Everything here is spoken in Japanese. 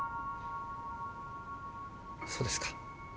そうですか。